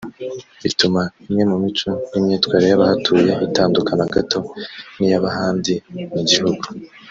bituma imwe mu mico n’imyitwarire y’abahatuye itandukana gato n’iy’ab’ahandi mu gihugu